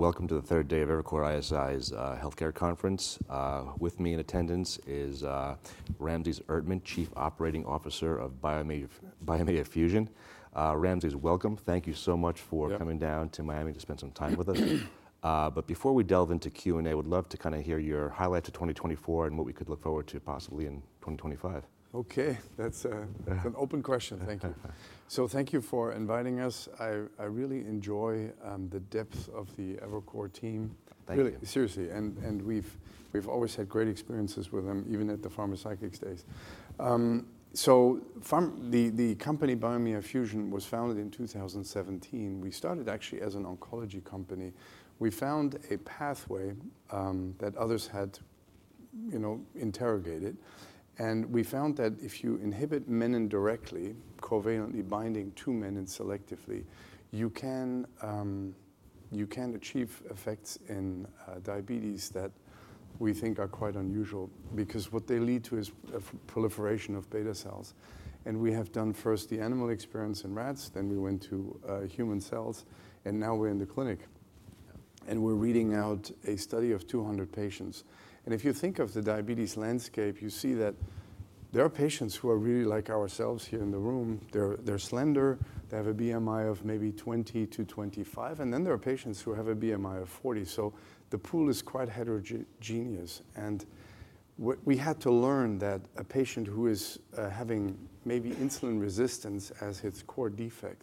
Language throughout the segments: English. Welcome to the third day of Evercore ISI's healthcare conference. With me in attendance is Ramses Erdtman, Chief Operating Officer of Biomea Fusion. Ramses, welcome. Thank you so much for coming down to Miami to spend some time with us. But before we delve into Q&A, I would love to kind of hear your highlights of 2024 and what we could look forward to possibly in 2025. Okay, that's an open question. Thank you. So thank you for inviting us. I really enjoy the depth of the Evercore team. Thank you. Seriously. And we've always had great experiences with them, even at the pharmaceutical stage. So the company Biomea Fusion was founded in 2017. We started actually as an oncology company. We found a pathway that others had, you know, interrogated. And we found that if you inhibit menin directly, covalently binding to menin selectively, you can achieve effects in diabetes that we think are quite unusual, because what they lead to is a proliferation of beta cells. And we have done first the animal experiments in rats, then we went to human cells, and now we're in the clinic. And we're reading out a study of 200 patients. And if you think of the diabetes landscape, you see that there are patients who are really like ourselves here in the room. They're slender. They have a BMI of maybe 20 to 25. Then there are patients who have a BMI of 40. So the pool is quite heterogeneous. We had to learn that a patient who is having maybe insulin resistance as its core defect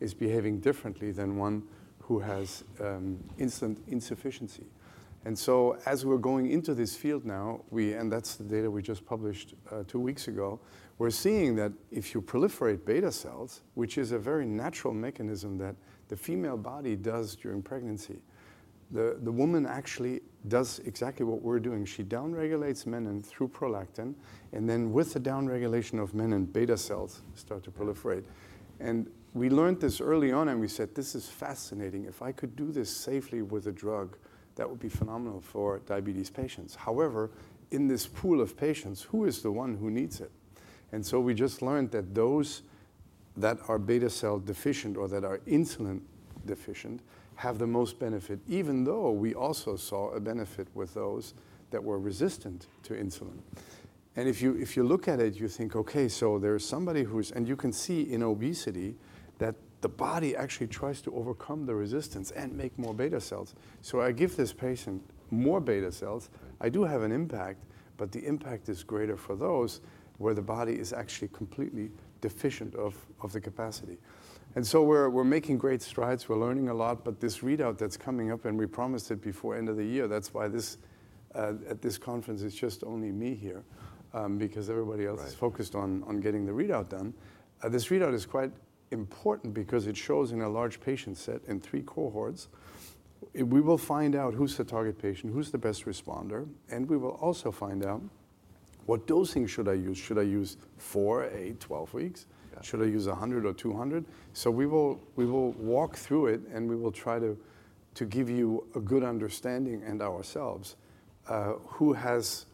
is behaving differently than one who has insulin insufficiency. So as we're going into this field now, and that's the data we just published two weeks ago, we're seeing that if you proliferate beta cells, which is a very natural mechanism that the female body does during pregnancy, the woman actually does exactly what we're doing. She downregulates menin through prolactin, and then with the downregulation of menin, beta cells start to proliferate. We learned this early on, and we said, this is fascinating. If I could do this safely with a drug, that would be phenomenal for diabetes patients. However, in this pool of patients, who is the one who needs it? We just learned that those that are beta cell deficient or that are insulin deficient have the most benefit, even though we also saw a benefit with those that were resistant to insulin. If you look at it, you think, okay, so there is somebody who's, and you can see in obesity that the body actually tries to overcome the resistance and make more beta cells. I give this patient more beta cells. I do have an impact, but the impact is greater for those where the body is actually completely deficient of the capacity. We're making great strides. We're learning a lot, but this readout that's coming up, and we promised it before the end of the year. That's why at this conference it's just only me here, because everybody else is focused on getting the readout done. This readout is quite important because it shows in a large patient set in three cohorts. We will find out who's the target patient, who's the best responder, and we will also find out what dosing should I use. Should I use four, eight, 12 weeks? Should I use 100 or 200? So we will walk through it, and we will try to give you a good understanding and ourselves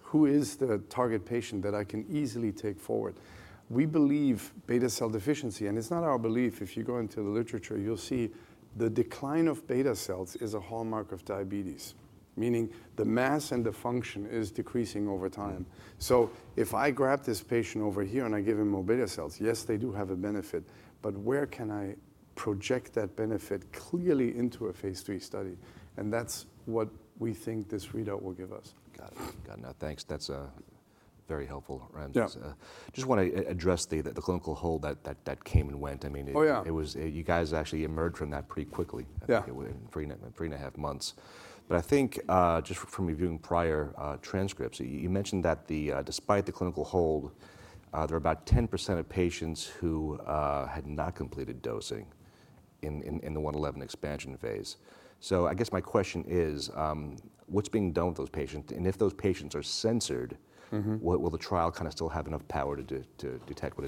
who is the target patient that I can easily take forward. We believe beta cell deficiency, and it's not our belief. If you go into the literature, you'll see the decline of beta cells is a hallmark of diabetes, meaning the mass and the function is decreasing over time. So if I grab this patient over here and I give him more beta cells, yes, they do have a benefit, but where can I project that benefit clearly into a Phase 3 study? And that's what we think this readout will give us. Got it. Got it. Thanks. That's very helpful, Ramses. Just want to address the clinical hold that came and went. I mean, you guys actually emerged from that pretty quickly in three and a half months. But I think just from reviewing prior transcripts, you mentioned that despite the clinical hold, there were about 10% of patients who had not completed dosing in the 111 expansion phase. So I guess my question is, what's being done with those patients? And if those patients are censored, will the trial kind of still have enough power to detect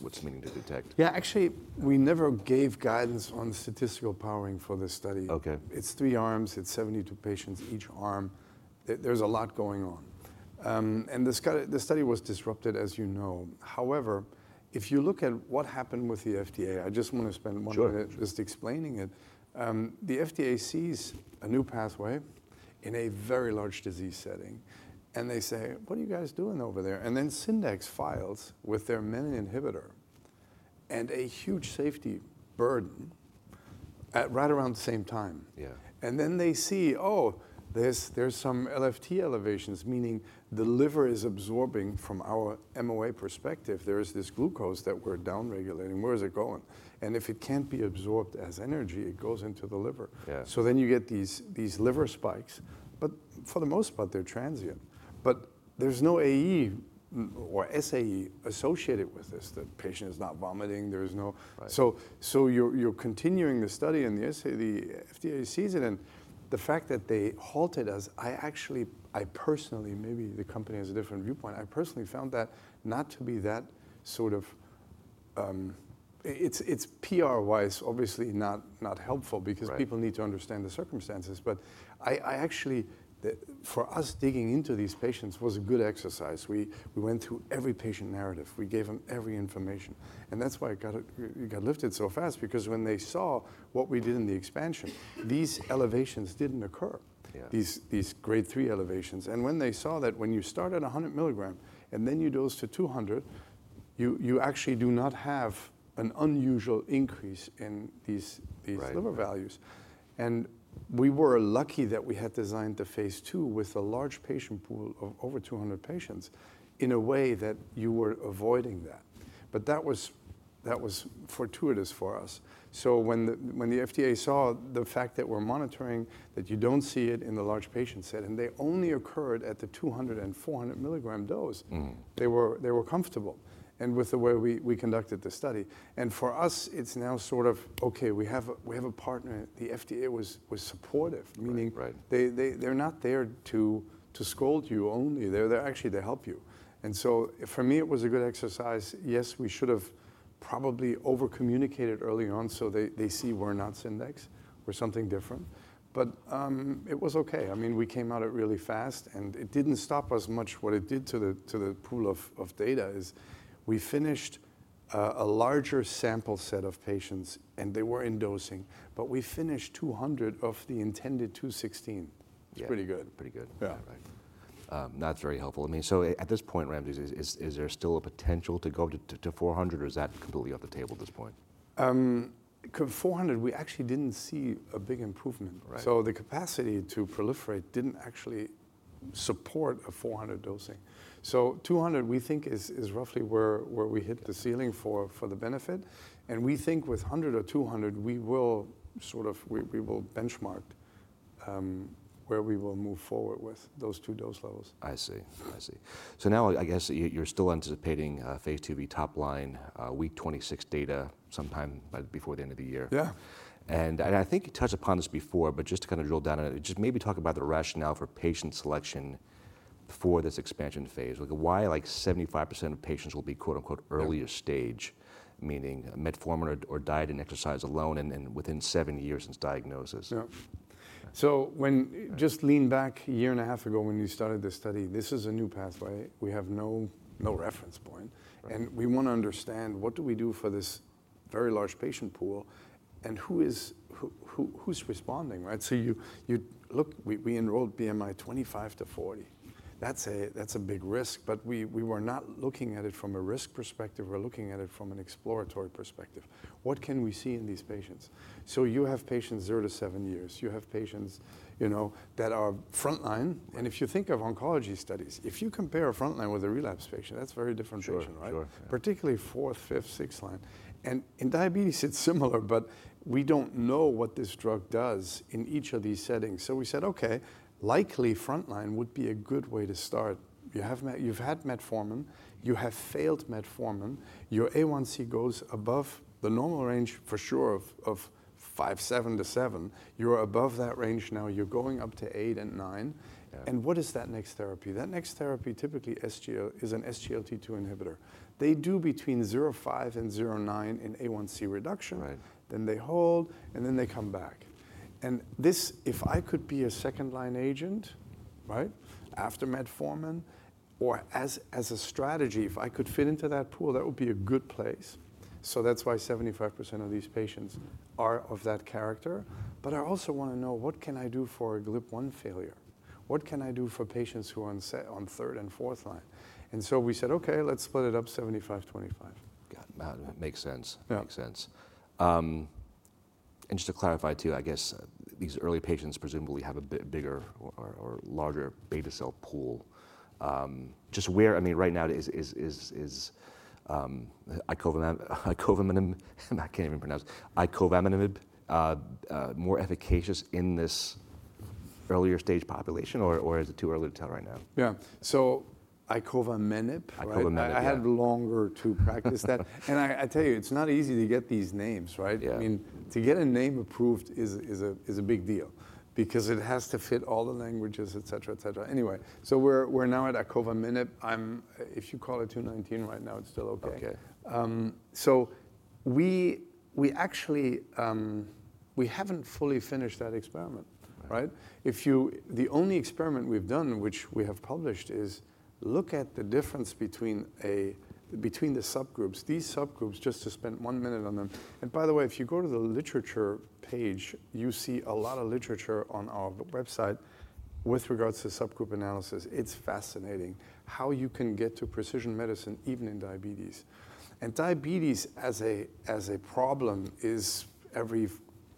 what's meaning to detect? Yeah, actually, we never gave guidance on statistical powering for this study. It's three arms. It's 72 patients each arm. There's a lot going on. And the study was disrupted, as you know. However, if you look at what happened with the FDA, I just want to spend one minute just explaining it. The FDA sees a new pathway in a very large disease setting, and they say, what are you guys doing over there? And then Syndax files with their menin inhibitor and a huge safety burden right around the same time. And then they see, oh, there's some LFT elevations, meaning the liver is absorbing from our MOA perspective. There is this glucose that we're downregulating. Where is it going? And if it can't be absorbed as energy, it goes into the liver. So then you get these liver spikes, but for the most part, they're transient. But there's no AE or SAE associated with this. The patient is not vomiting, so you're continuing the study, and the FDA sees it and the fact that they halted us. I actually, I personally, maybe the company has a different viewpoint. I personally found that not to be that sort of. It's PR-wise, obviously not helpful because people need to understand the circumstances. But I actually, for us, digging into these patients was a good exercise. We went through every patient narrative. We gave them every information and that's why it got lifted so fast, because when they saw what we did in the expansion, these elevations didn't occur, these grade three elevations and when they saw that when you start at 100 milligrams and then you dose to 200, you actually do not have an unusual increase in these liver values. And we were lucky that we had designed the Phase 2 with a large patient pool of over 200 patients in a way that you were avoiding that. But that was fortuitous for us. So when the FDA saw the fact that we're monitoring, that you don't see it in the large patient set, and they only occurred at the 200 and 400 milligram dose, they were comfortable with the way we conducted the study. And for us, it's now sort of, okay, we have a partner. The FDA was supportive, meaning they're not there to scold you only. They're actually to help you. And so for me, it was a good exercise. Yes, we should have probably overcommunicated early on so they see we're not Syndax or something different. But it was okay. I mean, we came out really fast, and it didn't stop us much. What it did to the pool of data is we finished a larger sample set of patients, and they were in dosing, but we finished 200 of the intended 216. It's pretty good. Pretty good. Yeah. That's very helpful. I mean, so at this point, Ramses, is there still a potential to go up to 400, or is that completely off the table at this point? 400, we actually didn't see a big improvement. So the capacity to proliferate didn't actually support a 400 dosing. So 200, we think, is roughly where we hit the ceiling for the benefit. And we think with 100 or 200, we will sort of, we will benchmark where we will move forward with those two dose levels. I see. I see. So now I guess you're still anticipating Phase 2 to be top line, week 26 data sometime before the end of the year. Yeah. I think you touched upon this before, but just to kind of drill down on it, just maybe talk about the rationale for patient selection for this expansion phase. Why like 75% of patients will be quote unquote earlier stage, meaning metformin or diet and exercise alone and within seven years since diagnosis? Yeah. So, let's just lean back a year and a half ago when you started this study. This is a new pathway. We have no reference point, and we want to understand what do we do for this very large patient pool and who's responding, right? You look. We enrolled BMI 25 to 40. That's a big risk, but we were not looking at it from a risk perspective. We're looking at it from an exploratory perspective. What can we see in these patients? You have patients zero to seven years. You have patients that are front line, and if you think of oncology studies, if you compare a front line with a relapse patient, that's a very different patient, right? Particularly fourth, fifth, sixth line, and in diabetes, it's similar, but we don't know what this drug does in each of these settings. So we said, okay, likely frontline would be a good way to start. You've had metformin. You have failed metformin. Your A1C goes above the normal range, for sure, of 5.7-7. You're above that range now. You're going up to 8 and 9. And what is that next therapy? That next therapy typically is an SGLT2 inhibitor. They do between 0.5 and 0.9 in A1C reduction. Then they hold, and then they come back. And this, if I could be a second-line agent, right, after metformin or as a strategy, if I could fit into that pool, that would be a good place. So that's why 75% of these patients are of that character. But I also want to know what can I do for a GLP-1 failure? What can I do for patients who are on third- and fourth-line? We said, okay, let's split it up 75 to 25. Got it. That makes sense. Makes sense. And just to clarify too, I guess these early patients presumably have a bigger or larger beta cell pool. Just where, I mean, right now is icovamenib, I can't even pronounce it, icovamenib, more efficacious in this earlier stage population, or is it too early to tell right now? Yeah. Icovamenib. I had longer to practice that. And I tell you, it's not easy to get these names, right? I mean, to get a name approved is a big deal because it has to fit all the languages, et cetera, et cetera. Anyway, so we're now at icovamenib. If you call it 219 right now, it's still okay. So we actually, we haven't fully finished that experiment, right? The only experiment we've done, which we have published, is look at the difference between the subgroups, these subgroups, just to spend one minute on them. And by the way, if you go to the literature page, you see a lot of literature on our website with regards to subgroup analysis. It's fascinating how you can get to precision medicine even in diabetes. And diabetes as a problem is every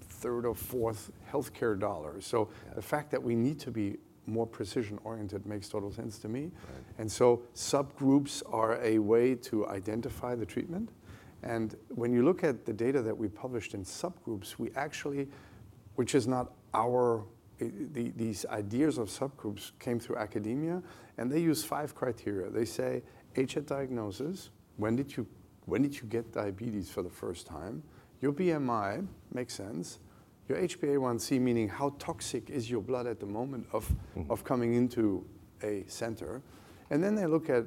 third or fourth healthcare dollar. So the fact that we need to be more precision oriented makes total sense to me. And so subgroups are a way to identify the treatment. And when you look at the data that we published in subgroups, we actually, which is not our, these ideas of subgroups came through academia, and they use five criteria. They say age at diagnosis, when did you get diabetes for the first time? Your BMI makes sense. Your HbA1c, meaning how toxic is your blood at the moment of coming into a center. And then they look at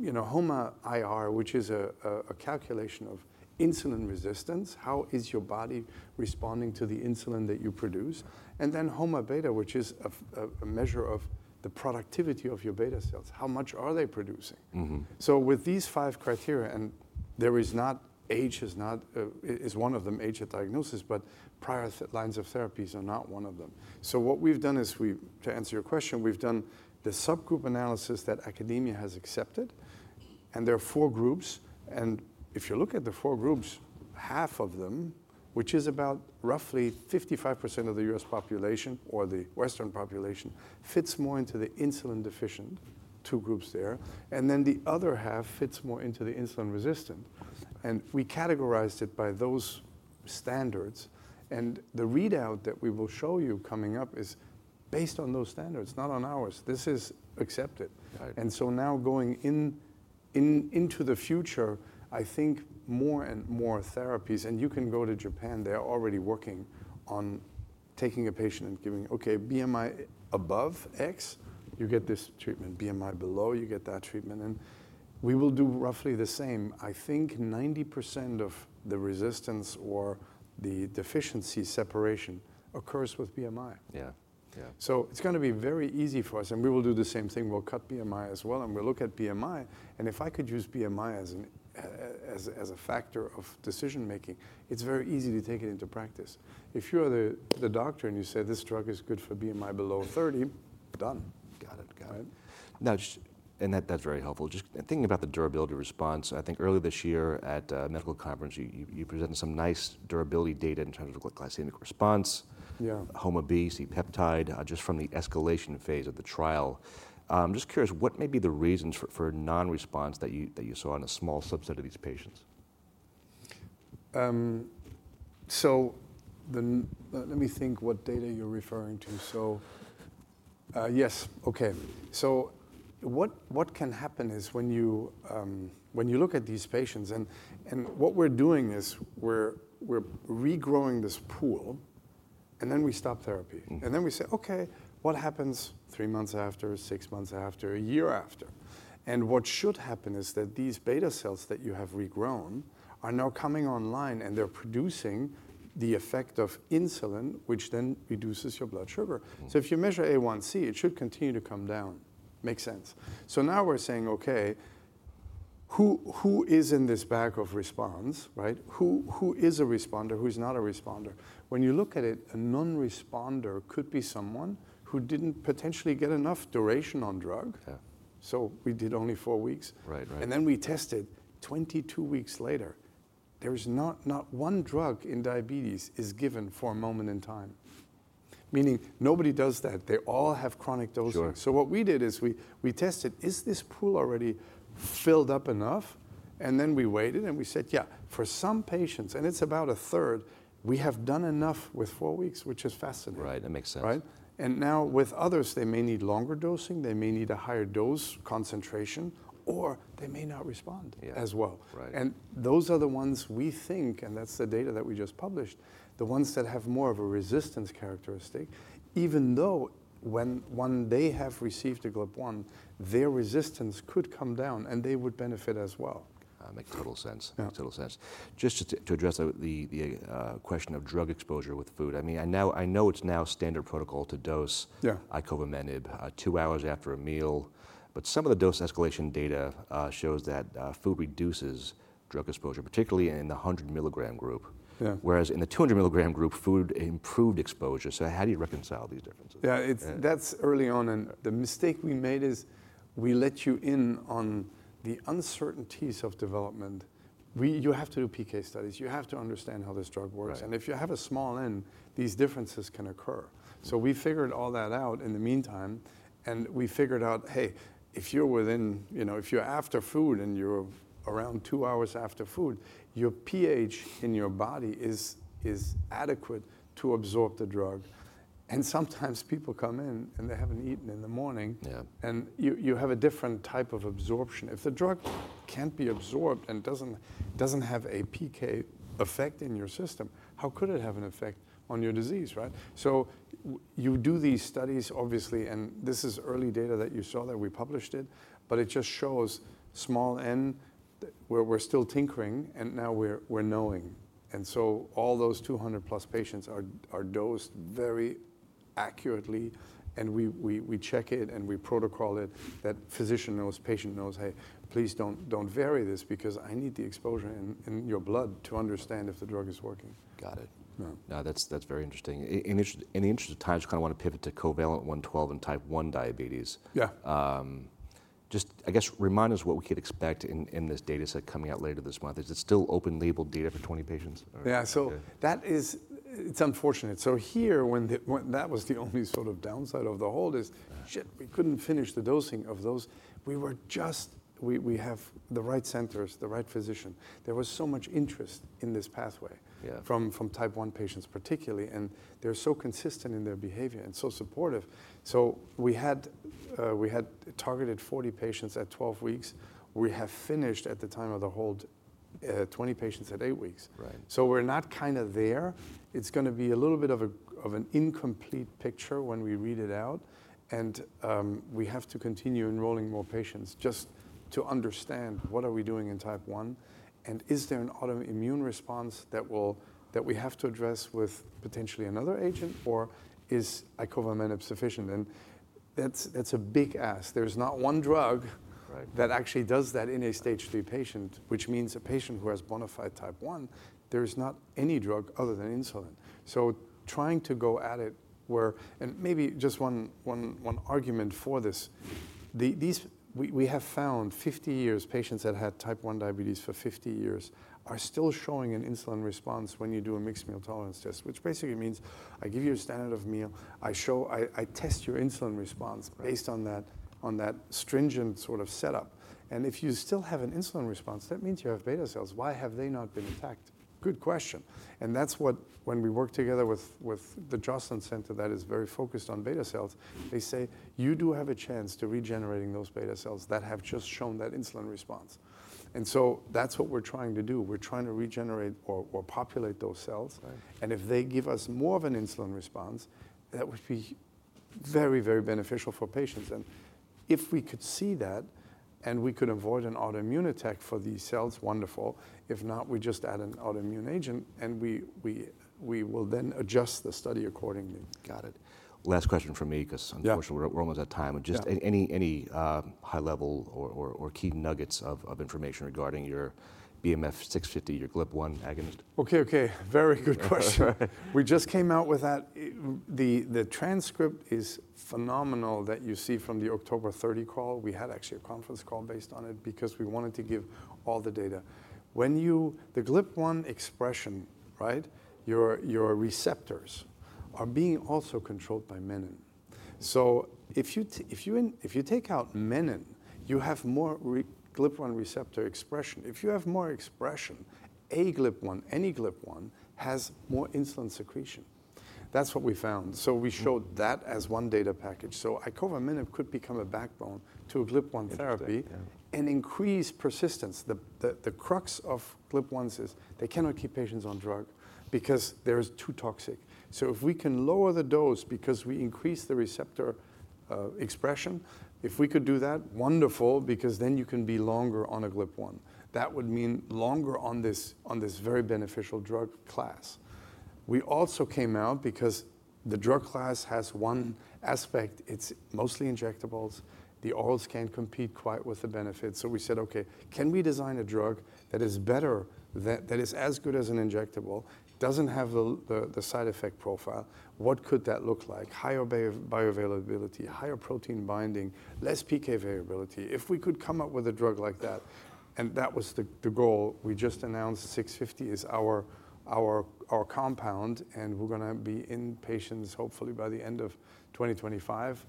HOMA-IR, which is a calculation of insulin resistance. How is your body responding to the insulin that you produce? And then HOMA-beta, which is a measure of the productivity of your beta cells. How much are they producing? So with these five criteria, and there is not, age is not one of them, age at diagnosis, but prior lines of therapies are not one of them. So what we've done is, to answer your question, we've done the subgroup analysis that academia has accepted. And there are four groups. And if you look at the four groups, half of them, which is about roughly 55% of the U.S. population or the Western population, fits more into the insulin-deficient two groups there. And then the other half fits more into the insulin-resistant. And we categorized it by those standards. And the readout that we will show you coming up is based on those standards, not on ours. This is accepted. So now, going into the future, I think more and more therapies. You can go to Japan. They're already working on taking a patient and giving, okay, BMI above X, you get this treatment. BMI below, you get that treatment. We will do roughly the same. I think 90% of the resistance or the deficiency separation occurs with BMI. Yeah. It's going to be very easy for us. We will do the same thing. We'll cut BMI as well. We'll look at BMI. If I could use BMI as a factor of decision making, it's very easy to take it into practice. If you are the doctor and you say this drug is good for BMI below 30, done. Got it. Got it. Now, and that's very helpful. Just thinking about the durability response, I think early this year at medical conference, you presented some nice durability data in terms of glycemic response, HOMA-B, C-peptide, just from the escalation phase of the trial. I'm just curious, what may be the reasons for non-response that you saw in a small subset of these patients? So let me think what data you're referring to. So yes, okay. So what can happen is when you look at these patients and what we're doing is we're regrowing this pool, and then we stop therapy. And then we say, okay, what happens three months after, six months after, a year after? And what should happen is that these beta cells that you have regrown are now coming online and they're producing the effect of insulin, which then reduces your blood sugar. So if you measure A1C, it should continue to come down. Makes sense. So now we're saying, okay, who is in this bag of response, right? Who is a responder, who's not a responder? When you look at it, a non-responder could be someone who didn't potentially get enough duration on drug. So we did only four weeks. And then we tested 22 weeks later. There's not one drug in diabetes is given for a moment in time, meaning nobody does that. They all have chronic dosing. So what we did is we tested, is this pool already filled up enough? And then we waited and we said, yeah, for some patients, and it's about a third, we have done enough with four weeks, which is fascinating. Right. That makes sense. Right? And now with others, they may need longer dosing. They may need a higher dose concentration, or they may not respond as well. And those are the ones we think, and that's the data that we just published, the ones that have more of a resistance characteristic, even though when they have received a GLP-1, their resistance could come down and they would benefit as well. Makes total sense. Makes total sense. Just to address the question of drug exposure with food, I mean, I know it's now standard protocol to dose icovamenib two hours after a meal, but some of the dose escalation data shows that food reduces drug exposure, particularly in the 100 milligram group, whereas in the 200 milligram group, food improved exposure. So how do you reconcile these differences? Yeah, that's early on, and the mistake we made is we let you in on the uncertainties of development. You have to do PK studies. You have to understand how this drug works, and if you have a small N, these differences can occur, so we figured all that out in the meantime, and we figured out, hey, if you're within, you know, if you're after food and you're around two hours after food, your pH in your body is adequate to absorb the drug. And sometimes people come in and they haven't eaten in the morning, and you have a different type of absorption. If the drug can't be absorbed and doesn't have a PK effect in your system, how could it have an effect on your disease, right? So you do these studies, obviously, and this is early data that you saw that we published it, but it just shows small N where we're still tinkering and now we're knowing. And so all those 200+ patients are dosed very accurately. And we check it and we protocol it that physician knows, patient knows, hey, please don't vary this because I need the exposure in your blood to understand if the drug is working. Got it. No, that's very interesting. In the interest of time, I just kind of want to pivot to COVALENT-112 in Type 1 diabetes. Just I guess remind us what we could expect in this data set coming out later this month. Is it still open label data for 20 patients? Yeah. So that is, it's unfortunate. So here, when that was the only sort of downside of the hold is, shit, we couldn't finish the dosing of those. We were just, we have the right centers, the right physician. There was so much interest in this pathway from type one patients particularly, and they're so consistent in their behavior and so supportive. So we had targeted 40 patients at 12 weeks. We have finished at the time of the hold, 20 patients at eight weeks. So we're not kind of there. It's going to be a little bit of an incomplete picture when we read it out. And we have to continue enrolling more patients just to understand what are we doing in type one? And is there an autoimmune response that we have to address with potentially another agent, or is icovamenib sufficient? And that's a big ask. There's not one drug that actually does that in a Stage 3 patient, which means a patient who has bona fide Type 1. There is not any drug other than insulin. So trying to go at it where, and maybe just one argument for this, we have found 50 years, patients that had Type 1 diabetes for 50 years are still showing an insulin response when you do a mixed meal tolerance test, which basically means I give you a standard meal. I test your insulin response based on that stringent sort of setup. And if you still have an insulin response, that means you have beta cells. Why have they not been attacked? Good question. And that's what, when we work together with the Joslin Center that is very focused on beta cells, they say, you do have a chance to regenerate those beta cells that have just shown that insulin response. And so that's what we're trying to do. We're trying to regenerate or populate those cells. And if they give us more of an insulin response, that would be very, very beneficial for patients. And if we could see that and we could avoid an autoimmune attack for these cells, wonderful. If not, we just add an autoimmune agent and we will then adjust the study accordingly. Got it. Last question for me, because unfortunately we're almost at time. Just any high level or key nuggets of information regarding your BMF-650, your GLP-1 agonist? Okay, okay. Very good question. We just came out with that. The transcript is phenomenal that you see from the October 30th call. We had actually a conference call based on it because we wanted to give all the data. When you, the GLP-1 expression, right, your receptors are being also controlled by menin. So if you take out menin, you have more GLP-1 receptor expression. If you have more expression, a GLP-1, any GLP-1 has more insulin secretion. That's what we found. So we showed that as one data package. So icovamenib could become a backbone to a GLP-1 therapy and increase persistence. The crux of GLP-1s is they cannot keep patients on drug because they're too toxic. So if we can lower the dose because we increase the receptor expression, if we could do that, wonderful, because then you can be longer on a GLP-1. That would mean longer on this very beneficial drug class. We also came out because the drug class has one aspect. It's mostly injectables. The orals can't compete quite with the benefits. So we said, okay, can we design a drug that is better, that is as good as an injectable, doesn't have the side effect profile? What could that look like? Higher bioavailability, higher protein binding, less PK variability. If we could come up with a drug like that, and that was the goal, we just announced 650 is our compound and we're going to be in patients hopefully by the end of 2025,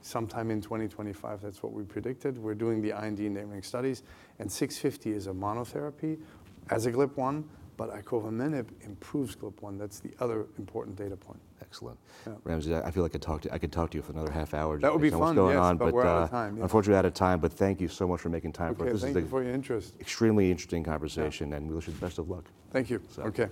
sometime in 2025, that's what we predicted. We're doing the IND enabling studies and 650 is a monotherapy as a GLP-1, but icovamenib improves GLP-1. That's the other important data point. Excellent. Ramses, I feel like I could talk to you for another half hour. That would be fun. But unfortunately, we're out of time. But thank you so much for making time for us. Thank you for your interest. Extremely interesting conversation and we wish you the best of luck. Thank you. Okay.